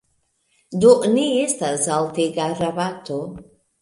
Do ne estas altega rabato.